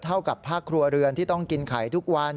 เท่ากับภาคครัวเรือนที่ต้องกินไข่ทุกวัน